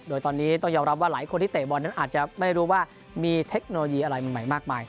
โดยตอนนี้ต้องยอมรับว่าหลายคนที่เตะบอลนั้นอาจจะไม่รู้ว่ามีเทคโนโลยีอะไรใหม่มากมาย